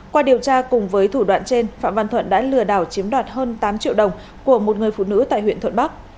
qua điều tra cùng với thủ đoạn trên phạm văn thuận đã lừa đảo chiếm đoạt hơn tám triệu đồng của một người phụ nữ tại huyện thuận bắc